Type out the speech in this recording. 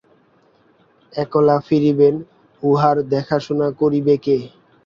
একলা ফিরিবেন, উঁহার দেখাশুনা করিবে কে?